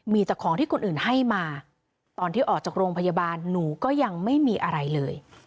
มีแต่ของที่คนอื่นให้มาตอนที่ออกจากโรงพยาบาลหนูก็ยังไม่มีอะไรเลย